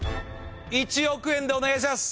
１億円でお願いします。